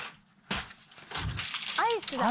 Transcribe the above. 「アイスだ！」